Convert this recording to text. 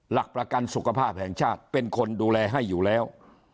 หลักประกันสุขภาพแห่งชาติเป็นคนดูแลให้อยู่แล้ว